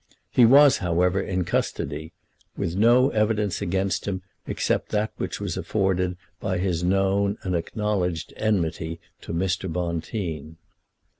He was, however, in custody, with no evidence against him except that which was afforded by his known and acknowledged enmity to Mr. Bonteen.